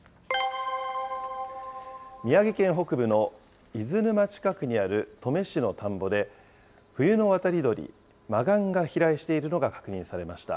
宮城県北部の伊豆沼近くにある登米市の田んぼで、冬の渡り鳥、マガンが飛来しているのが確認されました。